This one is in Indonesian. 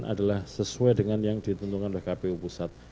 adalah sesuai dengan yang ditentukan oleh kpu pusat